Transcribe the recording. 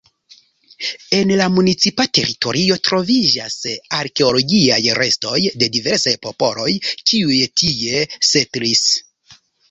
En la municipa teritorio troviĝas arkeologiaj restoj de diversaj popoloj kiuj tie setlis.